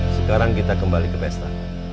sekarang kita kembali ke pesta